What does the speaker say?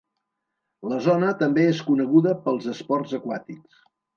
La zona també és coneguda pels esports aquàtics.